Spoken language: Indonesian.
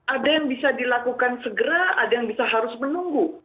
ada yang bisa dilakukan segera ada yang bisa harus menunggu